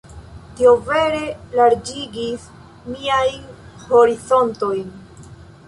Tio vere larĝigis miajn horizontojn.